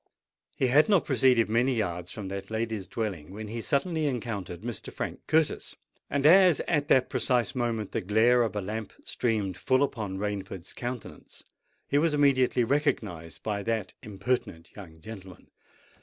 He had not proceeded many yards from that lady's dwelling, when he suddenly encountered Mr. Frank Curtis; and as at that precise moment the glare of a lamp streamed full upon Rainford's countenance, he was immediately recognised by that impertinent young gentleman.